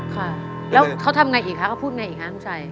ค่ะแล้วเขาทำไงอีกครั้งเขาพูดไงอีกครั้งใจ